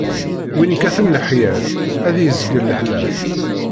Win ikkaten lexyal, ad izgel leḥlal.